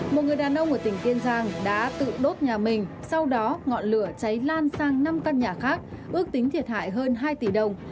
một người đàn ông ở tỉnh kiên giang đã tự đốt nhà mình sau đó ngọn lửa cháy lan sang năm căn nhà khác ước tính thiệt hại hơn hai tỷ đồng